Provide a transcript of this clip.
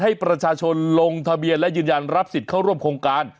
ให้ประชาชนลงทะเบียนและยืนยันรับสิทธิ์เข้าร่วมโครงการ